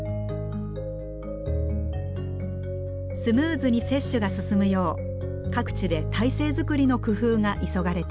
スムーズに接種が進むよう各地で態勢作りの工夫が急がれています。